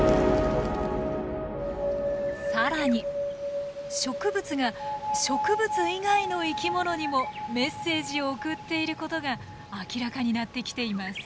更に植物が植物以外の生き物にもメッセージを送っていることが明らかになってきています。